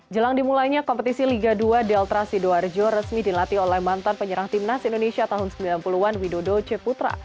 jelang dimulainya kompetisi liga dua delta sidoarjo resmi dilatih oleh mantan penyerang timnas indonesia tahun sembilan puluh an widodo ceputra